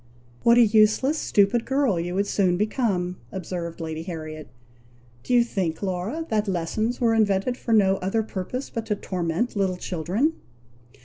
"What a useless, stupid girl you would soon become," observed Lady Harriet. "Do you think, Laura, that lessons were invented for no other purpose but to torment little children?"